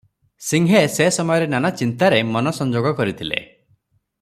ସିଂହେ ସେ ସମୟରେ ନାନା ଚିନ୍ତାରେ ମନ ସଂଯୋଗ କରିଥିଲେ ।